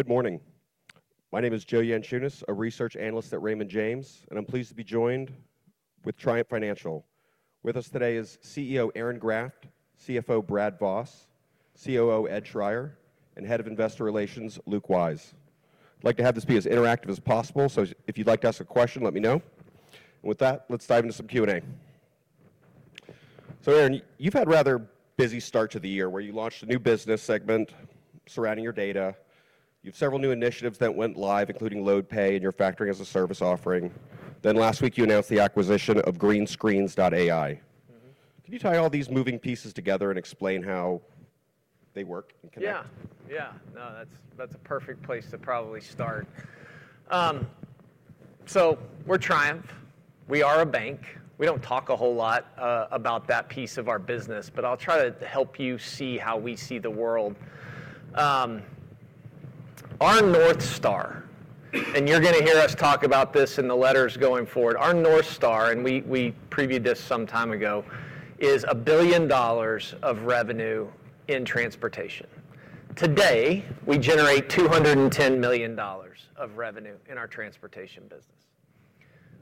Good morning. My name is Joe Yanchunas, a research analyst at Raymond James, and I'm pleased to be joined with Triumph Financial. With us today is CEO Aaron Graft, CFO Brad Voss, Executive Vice President and COO Ed Schreyer, and Head of Investor Relations Luke Wise. I'd like to have this be as interactive as possible, so if you'd like to ask a question, let me know. With that, let's dive into some Q&A. Aaron, you've had a rather busy start to the year, where you launched a new business segment surrounding your data. You have several new initiatives that went live, including LoadPay and your factoring-as-a-service offering. Last week, you announced the acquisition of GreenScreens.ai. Can you tie all these moving pieces together and explain how they work and connect? Yeah, yeah. No, that's a perfect place to probably start. We are Triumph. We are a bank. We do not talk a whole lot about that piece of our business, but I'll try to help you see how we see the world. Our North Star, and you're going to hear us talk about this in the letters going forward, our North Star, and we previewed this some time ago, is $1 billion of revenue in transportation. Today, we generate $210 million of revenue in our transportation business.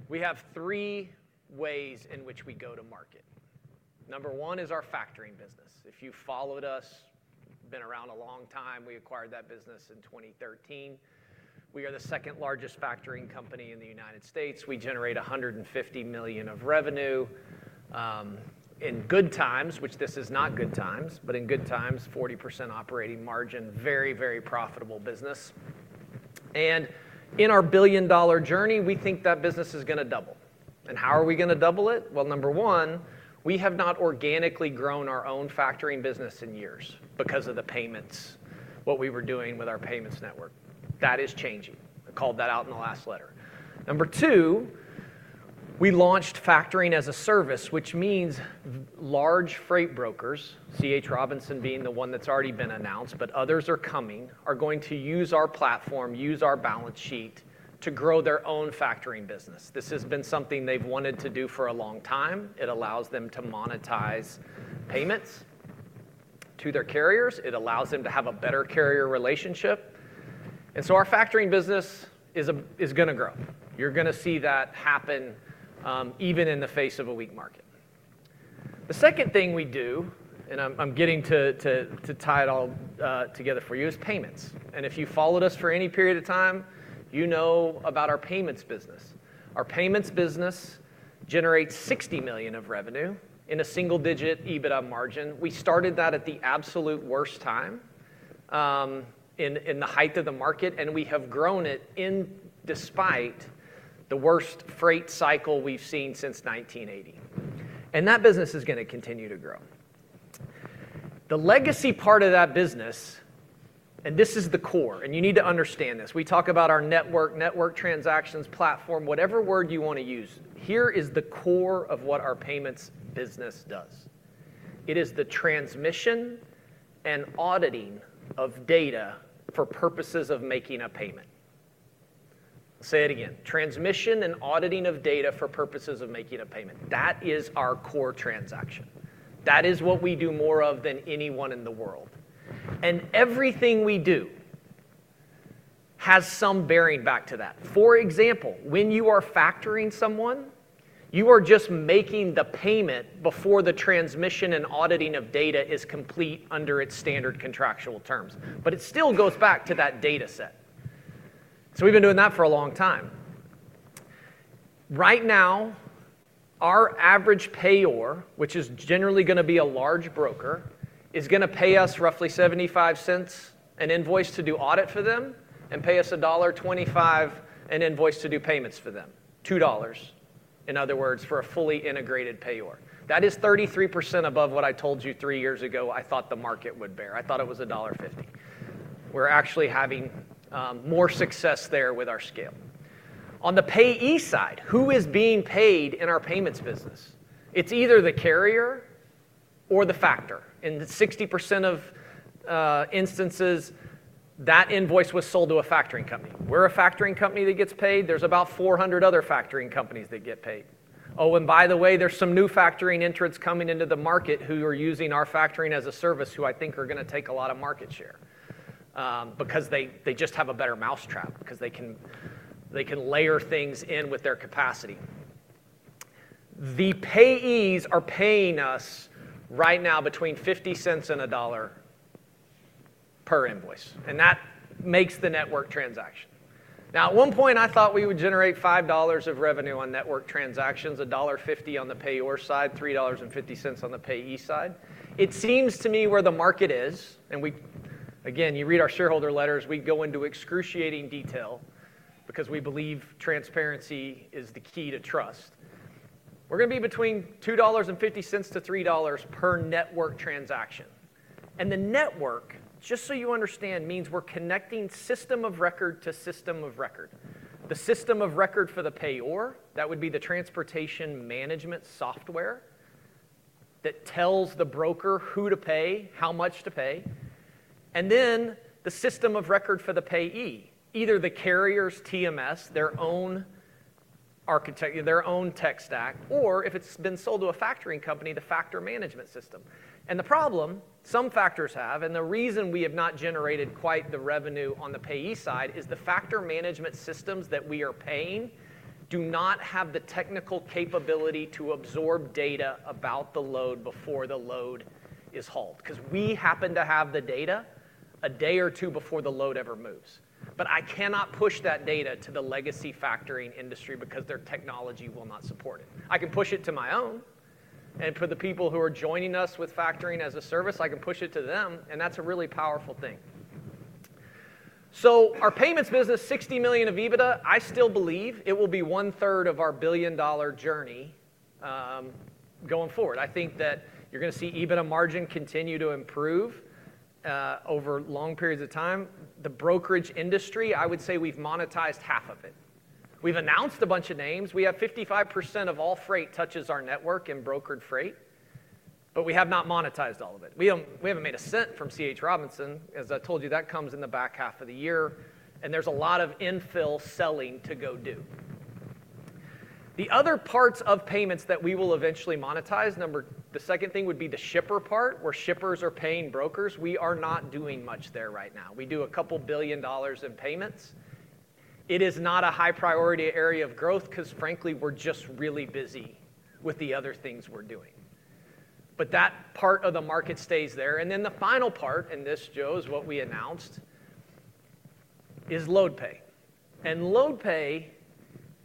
We have three ways in which we go to market. Number one is our factoring business. If you followed us, been around a long time, we acquired that business in 2013. We are the second largest factoring company in the United States. We generate $150 million of revenue in good times, which this is not good times, but in good times, 40% operating margin, very, very profitable business. In our billion-dollar journey, we think that business is going to double. How are we going to double it? Number one, we have not organically grown our own factoring business in years because of the payments, what we were doing with our payments network. That is changing. I called that out in the last letter. Number two, we launched factoring-as-a-service, which means large freight brokers, C.H. Robinson being the one that's already been announced, but others are coming, are going to use our platform, use our balance sheet to grow their own factoring business. This has been something they've wanted to do for a long time. It allows them to monetize payments to their carriers. It allows them to have a better carrier relationship. Our factoring business is going to grow. You're going to see that happen even in the face of a weak market. The second thing we do, and I'm getting to tie it all together for you, is payments. If you followed us for any period of time, you know about our payments business. Our payments business generates $60 million of revenue in a single-digit EBITDA margin. We started that at the absolute worst time in the height of the market, and we have grown it despite the worst freight cycle we've seen since 1980. That business is going to continue to grow. The legacy part of that business, and this is the core, and you need to understand this. We talk about our network, network transactions, platform, whatever word you want to use. Here is the core of what our payments business does. It is the transmission and auditing of data for purposes of making a payment. I'll say it again. Transmission and auditing of data for purposes of making a payment. That is our core transaction. That is what we do more of than anyone in the world. Everything we do has some bearing back to that. For example, when you are factoring someone, you are just making the payment before the transmission and auditing of data is complete under its standard contractual terms. It still goes back to that data set. We have been doing that for a long time. Right now, our average payor, which is generally going to be a large broker, is going to pay us roughly $0.75 an invoice to do audit for them and pay us $1.25 an invoice to do payments for them, $2, in other words, for a fully integrated payor. That is 33% above what I told you three years ago I thought the market would bear. I thought it was $1.50. We're actually having more success there with our scale. On the payee side, who is being paid in our payments business? It's either the carrier or the factor. In 60% of instances, that invoice was sold to a factoring company. We're a factoring company that gets paid. There's about 400 other factoring companies that get paid. Oh, and by the way, there are some new factoring entrants coming into the market who are using our factoring-as-a-service, who I think are going to take a lot of market share because they just have a better mousetrap because they can layer things in with their capacity. The payees are paying us right now between $0.50 and $1 per invoice. That makes the network transaction. At one point, I thought we would generate $5 of revenue on network transactions, $1.50 on the payor side, $3.50 on the payee side. It seems to me where the market is, and again, you read our shareholder letters, we go into excruciating detail because we believe transparency is the key to trust. We are going to be between $2.50-$3 per network transaction. The network, just so you understand, means we are connecting system of record to system of record. The system of record for the payor, that would be the transportation management software that tells the broker who to pay, how much to pay. The system of record for the payee, either the carrier's TMS, their own architect, their own tech stack, or if it has been sold to a factoring company, the factor management system. The problem some factors have, and the reason we have not generated quite the revenue on the payee side, is the factor management systems that we are paying do not have the technical capability to absorb data about the load before the load is hauled because we happen to have the data a day or two before the load ever moves. I cannot push that data to the legacy factoring industry because their technology will not support it. I can push it to my own. For the people who are joining us with factoring-as-a-service, I can push it to them. That is a really powerful thing. Our payments business, $60 million of EBITDA, I still believe it will be one-third of our billion-dollar journey going forward. I think that you are going to see EBITDA margin continue to improve over long periods of time. The brokerage industry, I would say we have monetized half of it. We have announced a bunch of names. We have 55% of all freight touches our network in brokered freight, but we have not monetized all of it. We have not made a cent from C.H. Robinson. As I told you, that comes in the back half of the year. There is a lot of infill selling to go do. The other parts of payments that we will eventually monetize, the second thing would be the shipper part where shippers are paying brokers. We are not doing much there right now. We do a couple billion dollars in payments. It is not a high-priority area of growth because, frankly, we're just really busy with the other things we're doing. That part of the market stays there. The final part, and this, Joe, is what we announced, is LoadPay. LoadPay,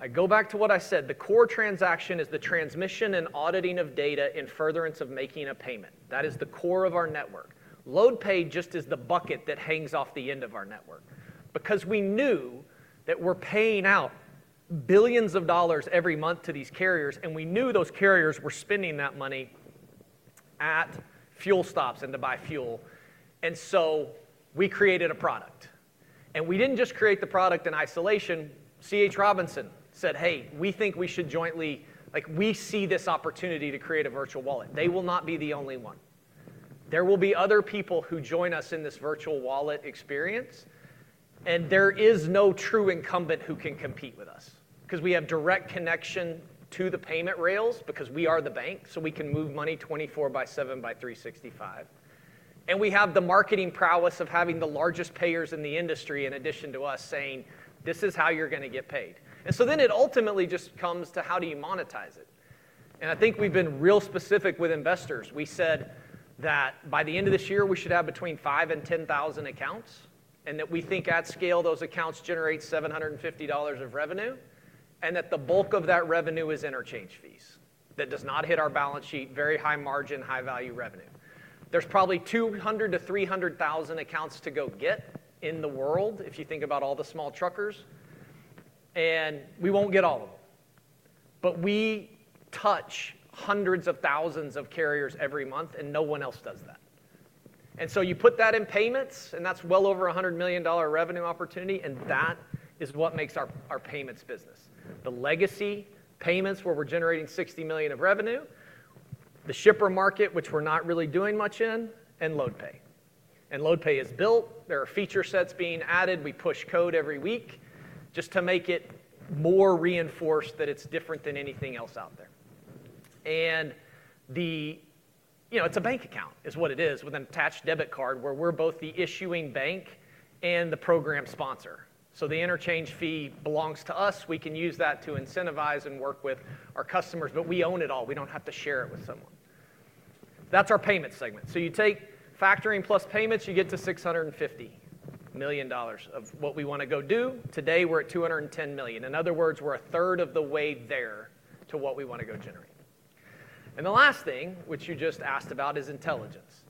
I go back to what I said, the core transaction is the transmission and auditing of data in furtherance of making a payment. That is the core of our network. LoadPay just is the bucket that hangs off the end of our network because we knew that we're paying out billions of dollars every month to these carriers, and we knew those carriers were spending that money at fuel stops and to buy fuel. We created a product. We didn't just create the product in isolation. C.H. Robinson said, "Hey, we think we should jointly, we see this opportunity to create a virtual wallet." They will not be the only one. There will be other people who join us in this virtual wallet experience. There is no true incumbent who can compete with us because we have direct connection to the payment rails because we are the bank, so we can move money 24 by 7 by 365. We have the marketing prowess of having the largest payers in the industry in addition to us saying, "This is how you're going to get paid." It ultimately just comes to how do you monetize it. I think we've been real specific with investors. We said that by the end of this year, we should have between 5,000 and 10,000 accounts and that we think at scale those accounts generate $750 of revenue and that the bulk of that revenue is interchange fees. That does not hit our balance sheet, very high margin, high-value revenue. There's probably 200,000-300,000 accounts to go get in the world if you think about all the small truckers. We won't get all of them. We touch hundreds of thousands of carriers every month, and no one else does that. You put that in payments, and that's well over a $100 million revenue opportunity, and that is what makes our payments business. The legacy payments where we're generating $60 million of revenue, the shipper market, which we're not really doing much in, and LoadPay. LoadPay is built. There are feature sets being added. We push code every week just to make it more reinforced that it's different than anything else out there. It is a bank account, with an attached debit card where we're both the issuing bank and the program sponsor. The interchange fee belongs to us. We can use that to incentivize and work with our customers, but we own it all. We don't have to share it with someone. That's our payment segment. You take factoring plus payments, you get to $650 million of what we want to go do. Today, we're at $210 million. In other words, we're a third of the way there to what we want to go generate. The last thing, which you just asked about, is intelligence.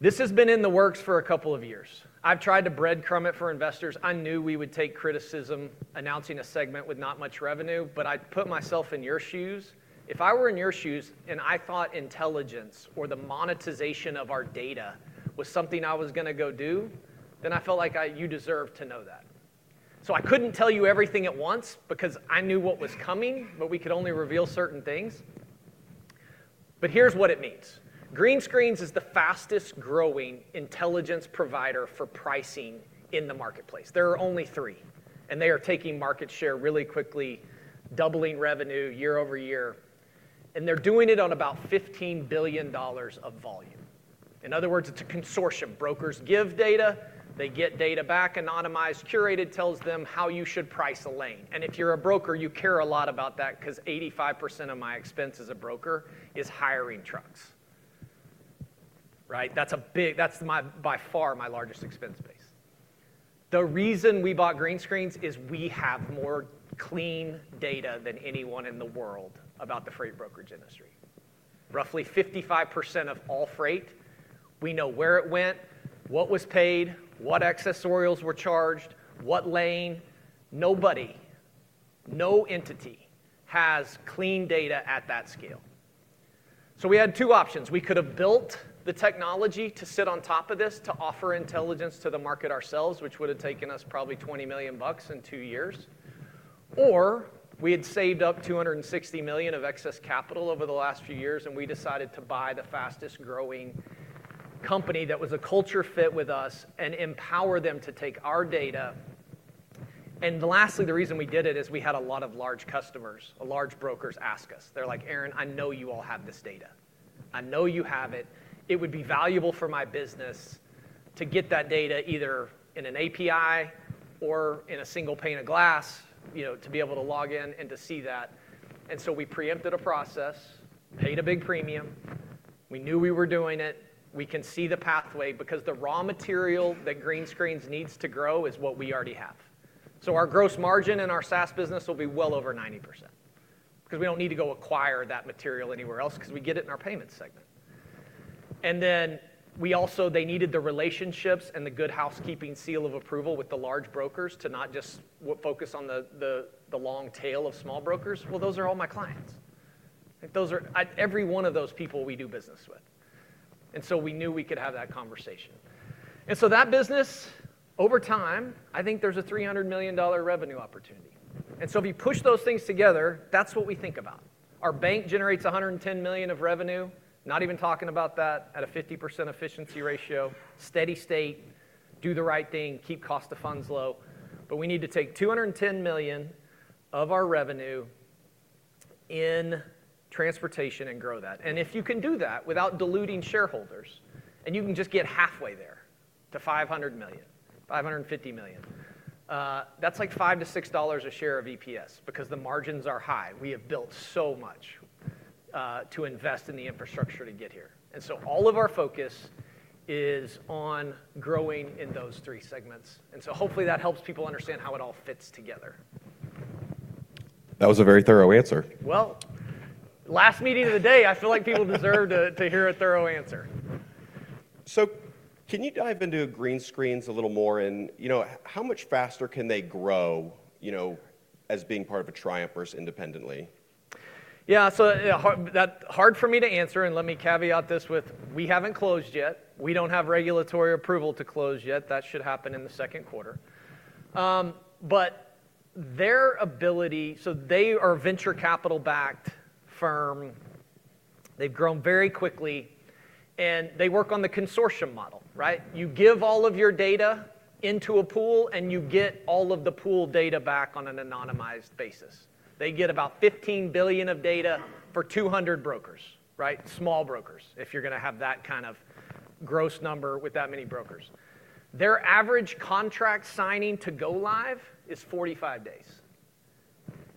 This has been in the works for a couple of years. I've tried to breadcrumb it for investors. I knew we would take criticism announcing a segment with not much revenue, but I put myself in your shoes. If I were in your shoes and I thought intelligence or the monetization of our data was something I was going to go do, then I felt like you deserved to know that. I couldn't tell you everything at once because I knew what was coming, but we could only reveal certain things. Here's what it means. GreenScreens is the fastest-growing intelligence provider for pricing in the marketplace. There are only three, and they are taking market share really quickly, doubling revenue Year-over-Year, and they're doing it on about $15 billion of volume. In other words, it's a consortium. Brokers give data. They get data back, anonymized, curated, tells them how you should price a lane. If you're a broker, you care a lot about that because 85% of my expense as a broker is hiring trucks. That's by far my largest expense base. The reason we bought GreenScreens is we have more clean data than anyone in the world about the freight brokerage industry. Roughly 55% of all freight, we know where it went, what was paid, what accessorials were charged, what lane. Nobody, no entity has clean data at that scale. We had two options. We could have built the technology to sit on top of this to offer intelligence to the market ourselves, which would have taken us probably $20 million in two years. Or we had saved up $260 million of excess capital over the last few years, and we decided to buy the fastest-growing company that was a culture fit with us and empower them to take our data. Lastly, the reason we did it is we had a lot of large customers, large brokers ask us. They're like, "Aaron, I know you all have this data. I know you have it. It would be valuable for my business to get that data either in an API or in a single pane of glass to be able to log in and to see that." We preempted a process, paid a big premium. We knew we were doing it. We can see the pathway because the raw material that GreenScreens needs to grow is what we already have. Our gross margin in our SaaS business will be well over 90% because we do not need to go acquire that material anywhere else because we get it in our payments segment. They needed the relationships and the good housekeeping seal of approval with the large brokers to not just focus on the long tail of small brokers. Those are all my clients. Every one of those people we do business with. We knew we could have that conversation. That business, over time, I think there is a $300 million revenue opportunity. If you push those things together, that is what we think about. Our bank generates $110 million of revenue, not even talking about that at a 50% efficiency ratio, steady state, do the right thing, keep cost of funds low. We need to take $210 million of our revenue in transportation and grow that. If you can do that without diluting shareholders, and you can just get halfway there to $500 million-$550 million, that's like $5-$6 a share of EPS because the margins are high. We have built so much to invest in the infrastructure to get here. All of our focus is on growing in those three segments. Hopefully that helps people understand how it all fits together. That was a very thorough answer. Last meeting of the day, I feel like people deserve to hear a thorough answer. Can you dive into GreenScreens a little more and how much faster can they grow as being part of a Triumph or as independently? Yeah. That is hard for me to answer. Let me caveat this with we have not closed yet. We do not have regulatory approval to close yet. That should happen in the second quarter. Their ability, so they are a venture capital-backed firm. They have grown very quickly, and they work on the consortium model. Right? You give all of your data into a pool, and you get all of the pool data back on an anonymized basis. They get about $15 billion of data for 200 brokers, right? Small brokers, if you are going to have that kind of gross number with that many brokers. Their average contract signing to go live is 45 days.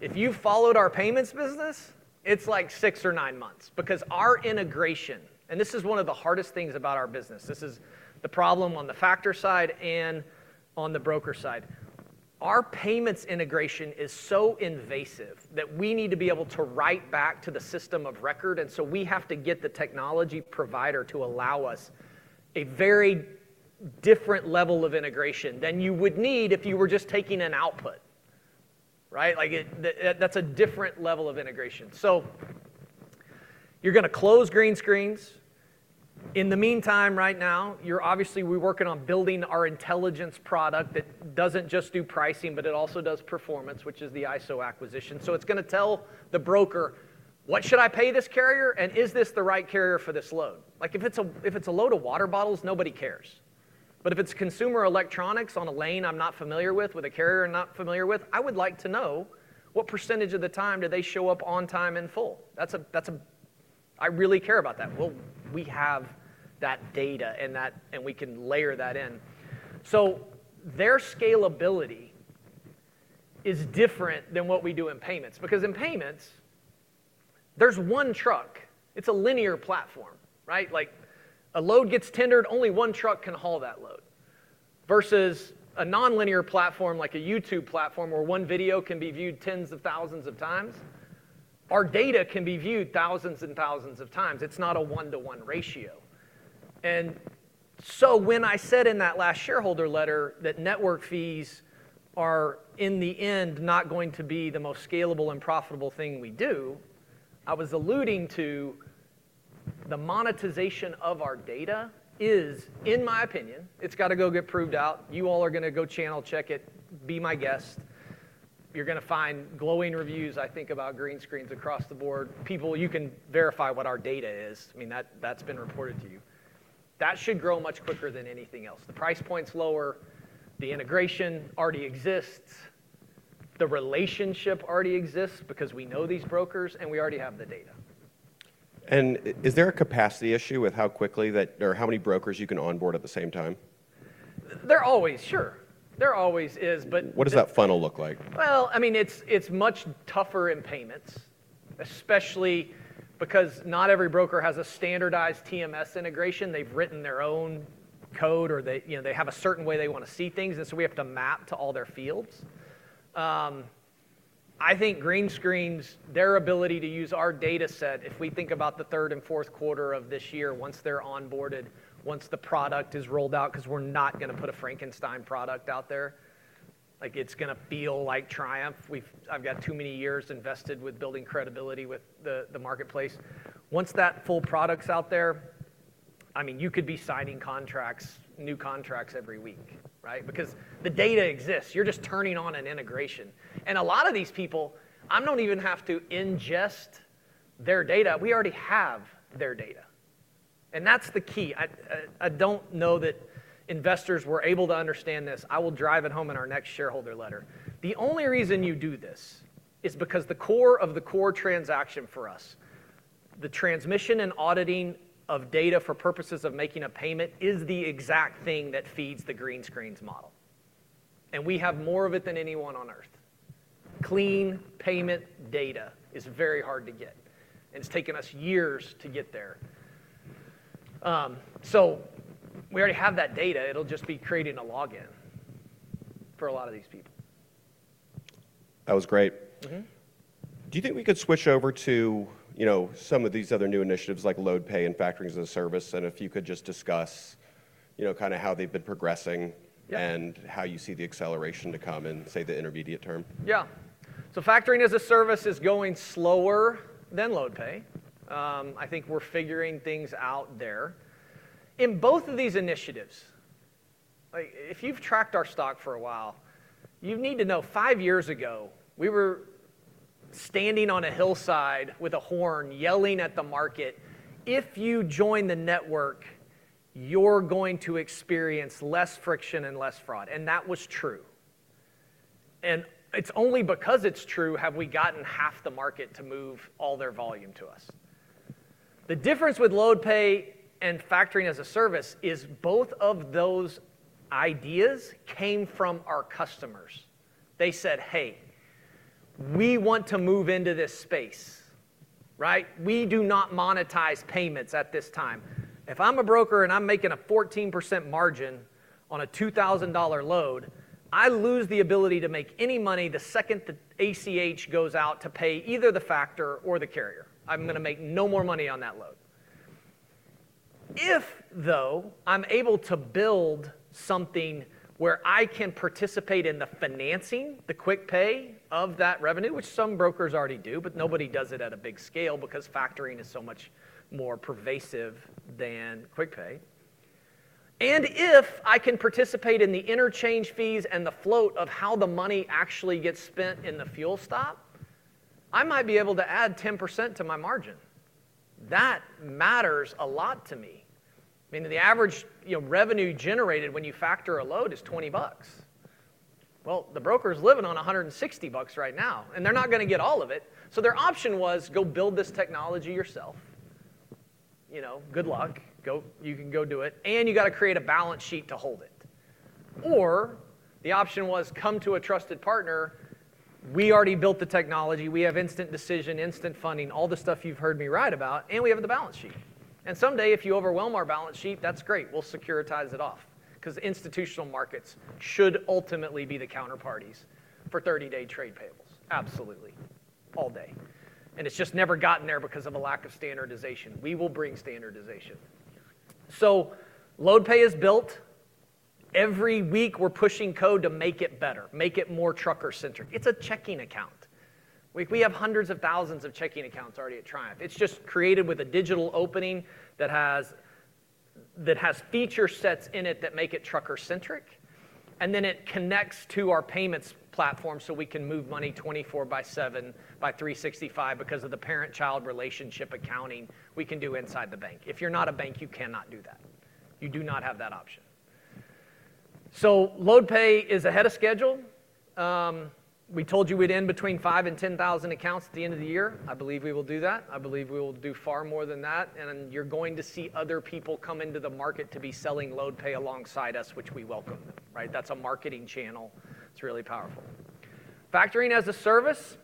If you've followed our payments business, it's like six or nine months because our integration, and this is one of the hardest things about our business. This is the problem on the factor side and on the broker side. Our payments integration is so invasive that we need to be able to write back to the system of record. And so we have to get the technology provider to allow us a very different level of integration than you would need if you were just taking an output. Right? That's a different level of integration. So you're going to close GreenScreens. In the meantime, right now, obviously, we're working on building our intelligence product that doesn't just do pricing, but it also does performance, which is the ISO acquisition. It's going to tell the broker, "What should I pay this carrier, and is this the right carrier for this load?" If it's a load of water bottles, nobody cares. If it's consumer electronics on a lane I'm not familiar with, with a carrier I'm not familiar with, I would like to know what percentage of the time they show up on time and full. I really care about that. We have that data, and we can layer that in. Their scalability is different than what we do in payments because in payments, there's one truck. It's a linear platform. Right? A load gets tendered. Only one truck can haul that load versus a non-linear platform like a YouTube platform where one video can be viewed tens of thousands of times. Our data can be viewed thousands and thousands of times. It's not a one-to-one ratio. When I said in that last shareholder letter that network fees are, in the end, not going to be the most scalable and profitable thing we do, I was alluding to the monetization of our data is, in my opinion, it's got to go get proved out. You all are going to go channel check it. Be my guest. You're going to find glowing reviews, I think, about GreenScreens across the board. People, you can verify what our data is. I mean, that's been reported to you. That should grow much quicker than anything else. The price point's lower. The integration already exists. The relationship already exists because we know these brokers, and we already have the data. Is there a capacity issue with how quickly or how many brokers you can onboard at the same time? There always, sure. There always is, but what does that funnel look like? I mean, it's much tougher in payments, especially because not every broker has a standardized TMS integration. They've written their own code, or they have a certain way they want to see things, and so we have to map to all their fields. I think GreenScreens, their ability to use our data set, if we think about the third and fourth quarter of this year, once they're onboarded, once the product is rolled out because we're not going to put a Frankenstein product out there, it's going to feel like Triumph. I've got too many years invested with building credibility with the marketplace. Once that full product's out there, I mean, you could be signing contracts, new contracts every week, right? Because the data exists. You're just turning on an integration. A lot of these people, I don't even have to ingest their data. We already have their data. That's the key. I don't know that investors were able to understand this. I will drive it home in our next shareholder letter. The only reason you do this is because the core of the core transaction for us, the transmission and auditing of data for purposes of making a payment, is the exact thing that feeds the GreenScreens model. We have more of it than anyone on earth. Clean payment data is very hard to get, and it's taken us years to get there. We already have that data. It'll just be creating a login for a lot of these people. That was great, Do you think we could switch over to some of these other new initiatives like LoadPay and factoring as a service and if you could just discuss kind of how they've been progressing and how you see the acceleration to come in, say, the intermediate term? Yeah. Factoring as a service is going slower than LoadPay. I think we're figuring things out there. In both of these initiatives, if you've tracked our stock for a while, you need to know five years ago, we were standing on a hillside with a horn yelling at the market, "If you join the network, you're going to experience less friction and less fraud." That was true. It is only because it's true have we gotten half the market to move all their volume to us. The difference with LoadPay and factoring as a service is both of those ideas came from our customers. They said, "Hey, we want to move into this space." Right? We do not monetize payments at this time. If I'm a broker and I'm making a 14% margin on a $2,000 load, I lose the ability to make any money the second the ACH goes out to pay either the factor or the carrier. I'm going to make no more money on that load. If, though, I'm able to build something where I can participate in the financing, the quick pay of that revenue, which some brokers already do, but nobody does it at a big scale because factoring is so much more pervasive than quick pay. If I can participate in the interchange fees and the float of how the money actually gets spent in the fuel stop, I might be able to add 10% to my margin. That matters a lot to me. I mean, the average revenue generated when you factor a load is $20. The broker is living on $160 right now, and they're not going to get all of it. Their option was, "Go build this technology yourself. Good luck. You can go do it. And you got to create a balance sheet to hold it." The option was, "Come to a trusted partner. We already built the technology. We have instant decision, instant funding, all the stuff you've heard me write about, and we have the balance sheet. Someday, if you overwhelm our balance sheet, that's great. We'll securitize it off because institutional markets should ultimately be the counterparties for 30-day trade payables. Absolutely. All day. It's just never gotten there because of a lack of standardization. We will bring standardization. LoadPay is built. Every week, we're pushing code to make it better, make it more trucker-centric. It's a checking account. We have hundreds of thousands of checking accounts already at Triumph. It's just created with a digital opening that has feature sets in it that make it trucker-centric. It connects to our payments platform so we can move money 24 by 7 by 365 because of the parent-child relationship accounting we can do inside the bank. If you're not a bank, you cannot do that. You do not have that option. LoadPay is ahead of schedule. We told you we'd end between 5,000 and 10,000 accounts at the end of the year. I believe we will do that. I believe we will do far more than that. You are going to see other people come into the market to be selling LoadPay alongside us, which we welcome. That is a marketing channel. It is really powerful. Factoring-as-a-Service.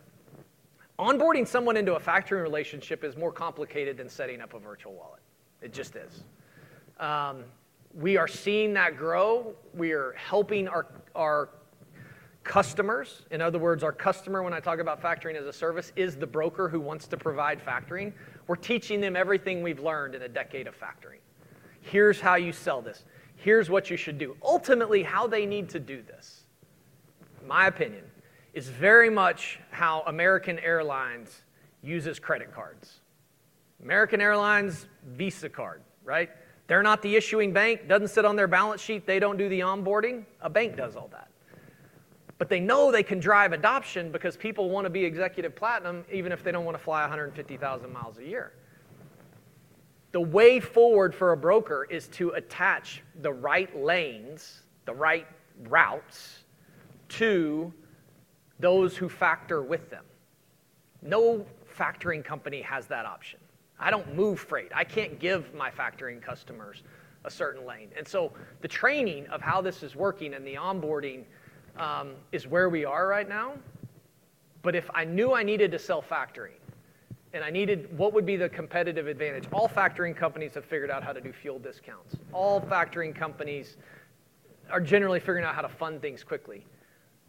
Onboarding someone into a factoring relationship is more complicated than setting up a virtual wallet. It just is. We are seeing that grow. We are helping our customers. In other words, our customer, when I talk about Factoring-as-a-Service, is the broker who wants to provide factoring. We are teaching them everything we have learned in a decade of factoring. Here is how you sell this. Here is what you should do. Ultimately, how they need to do this, in my opinion, is very much how American Airlines uses credit cards. American Airlines, Visa card. Right? They're not the issuing bank. Doesn't sit on their balance sheet. They don't do the onboarding. A bank does all that. They know they can drive adoption because people want to be executive platinum even if they don't want to fly 150,000 miles a year. The way forward for a broker is to attach the right lanes, the right routes to those who factor with them. No factoring company has that option. I don't move freight. I can't give my factoring customers a certain lane. The training of how this is working and the onboarding is where we are right now. If I knew I needed to sell factoring and I needed what would be the competitive advantage? All factoring companies have figured out how to do fuel discounts. All factoring companies are generally figuring out how to fund things quickly.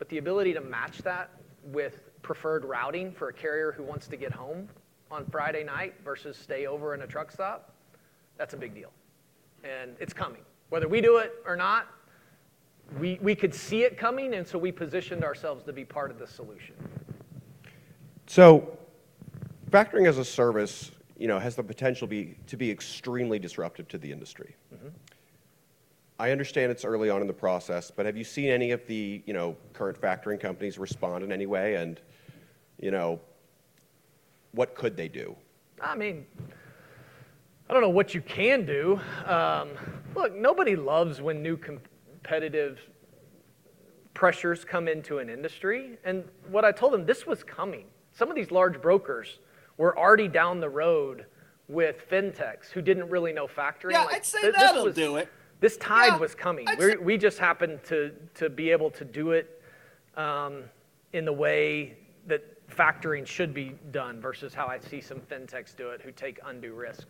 The ability to match that with preferred routing for a carrier who wants to get home on Friday night versus stay over in a truck stop, that's a big deal. It is coming. Whether we do it or not, we could see it coming, and we positioned ourselves to be part of the solution. Factoring as a service has the potential to be extremely disruptive to the industry. I understand it's early on in the process, but have you seen any of the current factoring companies respond in any way? What could they do? I mean, I don't know what you can do. Look, nobody loves when new competitive pressures come into an industry. What I told them, this was coming. Some of these large brokers were already down the road with fintechs who did not really know factoring. Yeah, I'd say that was. This tide was coming. We just happened to be able to do it in the way that factoring should be done versus how I see some fintechs do it who take undue risk.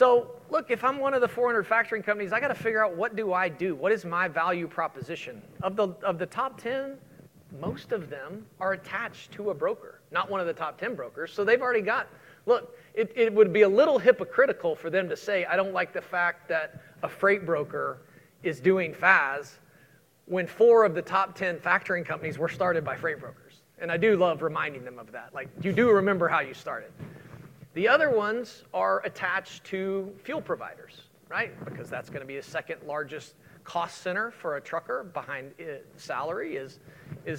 Look, if I'm one of the 400 factoring companies, I got to figure out what do I do. What is my value proposition? Of the top 10, most of them are attached to a broker, not one of the top 10 brokers. They have already got, look, it would be a little hypocritical for them to say, "I do not like the fact that a freight broker is doing FAS," when four of the top 10 factoring companies were started by freight brokers. I do love reminding them of that. You do remember how you started. The other ones are attached to fuel providers, right? Because that's going to be the second largest cost center for a trucker behind salary is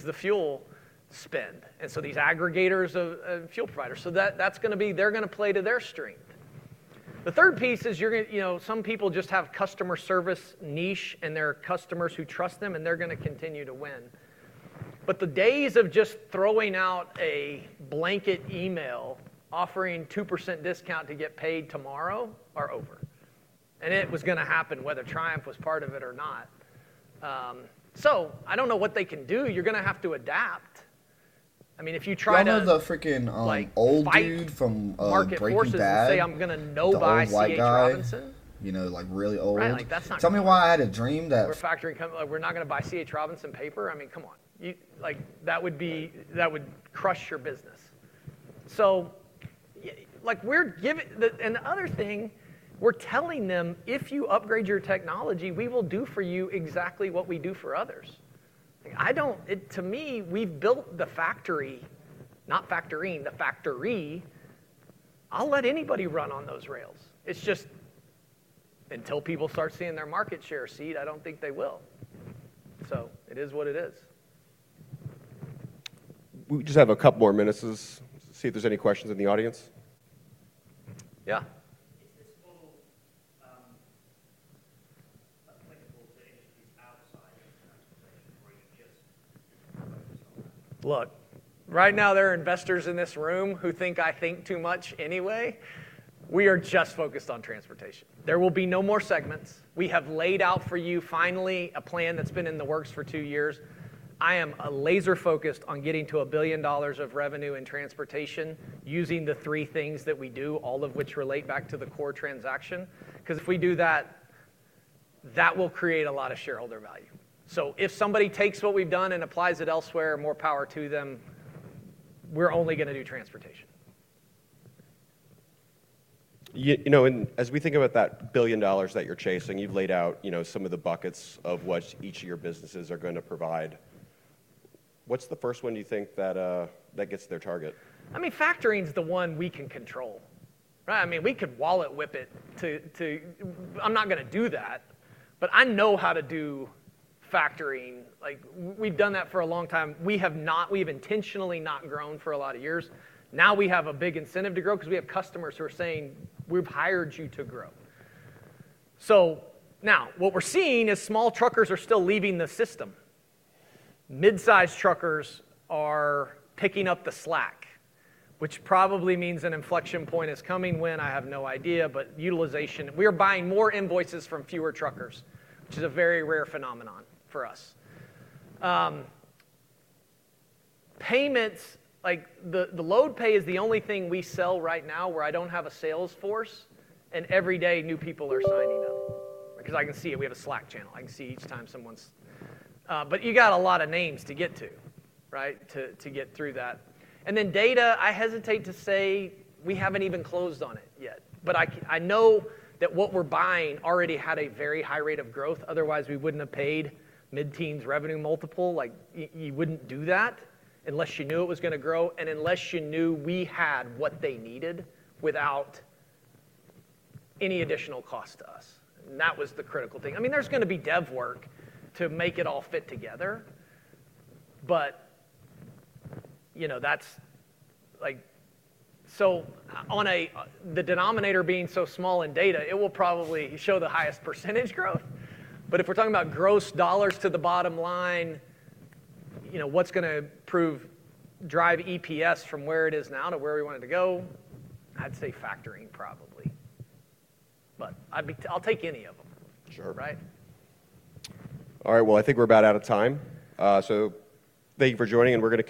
the fuel spend. These aggregators of fuel providers, that's going to be they're going to play to their strength. The third piece is some people just have customer service niche, and they're customers who trust them, and they're going to continue to win. The days of just throwing out a blanket email offering 2% discount to get paid tomorrow are over. It was going to happen whether Triumph was part of it or not. I don't know what they can do. You're going to have to adapt. I mean, if you try to. One of the freaking old dudes from. Market forces say I'm going to no buy C.H. Robinson. Really old? Tell me why I had a dream that. Factoring company. We're not going to buy C.H. Robinson paper. I mean, come on. That would crush your business. We're giving and the other thing, we're telling them, "If you upgrade your technology, we will do for you exactly what we do for others." To me, we've built the factory, not factoring, the factory. I'll let anybody run on those rails. It's just until people start seeing their market share, see, I don't think they will. It is what it is. We just have a couple more minutes to see if there's any questions in the audience. Yeah. Is this all applicable to entities outside of transportation or are you just focused on that? Look, right now, there are investors in this room who think I think too much anyway. We are just focused on transportation. There will be no more segments. We have laid out for you finally a plan that's been in the works for two years. I am laser-focused on getting to a billion dollars of revenue in transportation using the three things that we do, all of which relate back to the core transaction. Because if we do that, that will create a lot of shareholder value. If somebody takes what we've done and applies it elsewhere, more power to them, we're only going to do transportation. As we think about that billion dollars that you're chasing, you've laid out some of the buckets of what each of your businesses are going to provide. What's the first one you think that gets their target? I mean, factoring is the one we can control. I mean, we could wallet whip it to I'm not going to do that. I know how to do factoring. We've done that for a long time. We have intentionally not grown for a lot of years. Now we have a big incentive to grow because we have customers who are saying, "We've hired you to grow." Now what we're seeing is small truckers are still leaving the system. Mid-sized truckers are picking up the slack, which probably means an inflection point is coming when, I have no idea, but utilization. We are buying more invoices from fewer truckers, which is a very rare phenomenon for us. Payments, the LoadPay is the only thing we sell right now where I don't have a sales force, and every day new people are signing up. Because I can see it. We have a Slack channel. I can see each time someone's. You got a lot of names to get to, right, to get through that. Data, I hesitate to say we haven't even closed on it yet. I know that what we're buying already had a very high rate of growth. Otherwise, we wouldn't have paid mid-teens revenue multiple. You wouldn't do that unless you knew it was going to grow and unless you knew we had what they needed without any additional cost to us. That was the critical thing. I mean, there's going to be dev work to make it all fit together. On the denominator being so small in data, it will probably show the highest % growth. If we're talking about gross dollars to the bottom line, what's going to drive EPS from where it is now to where we want it to go? I'd say factoring probably. I'll take any of them. Right? All right. I think we're about out of time. Thank you for joining, and we're going to.